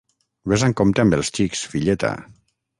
Vés amb compte amb els xics, filleta...